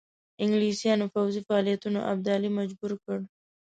انګلیسیانو پوځي فعالیتونو ابدالي مجبور کړ.